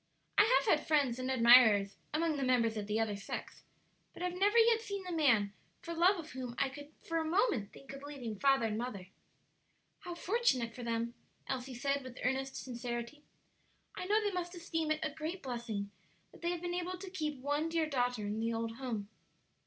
I have had friends and admirers among the members of the other sex, but have never yet seen the man for love of whom I could for a moment think of leaving father and mother." "How fortunate for them!" Elsie said, with earnest sincerity. "I know they must esteem it a great blessing that they have been able to keep one dear daughter in the old home."